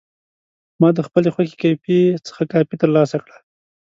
ما د خپلې خوښې کیفې څخه کافي ترلاسه کړه.